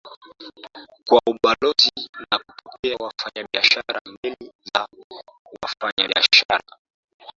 kwa ubalozi na kupokea wafanyabiashara Meli za wafanyabiashara